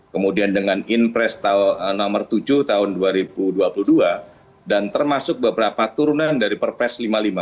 kemudian dengan inpres nomor tujuh tahun dua ribu dua puluh dua dan termasuk beberapa turunan dari perpres lima puluh lima